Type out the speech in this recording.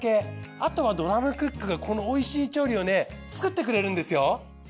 あとはドラムクックがこのおいしい調理をね作ってくれるんですよ。